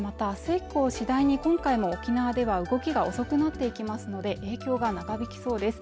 以降次第に今回も沖縄では動きが遅くなっていきますので影響が長引きそうです